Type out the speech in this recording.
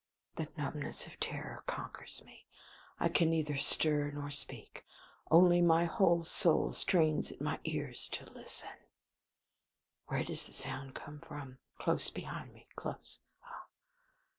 The numbness of terror conquers me. I can neither stir nor speak. Only my whole soul strains at my ears to listen. Where does the sound come from? Close behind me close.